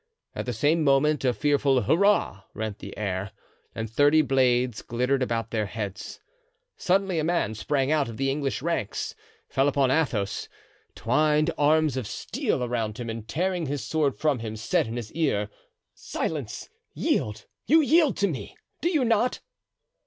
At the same moment a fearful "hurrah!" rent the air and thirty blades glittered about their heads. Suddenly a man sprang out of the English ranks, fell upon Athos, twined arms of steel around him, and tearing his sword from him, said in his ear: "Silence! yield—you yield to me, do you not?"